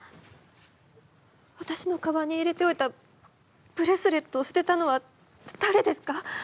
わたしのかばんに入れておいたブレスレットを捨てたのはだれですか？